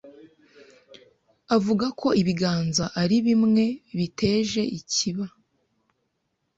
avuga ko ibiganza ari bimwe biteje ikiba